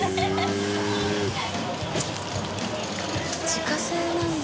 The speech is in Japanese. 自家製なんだ。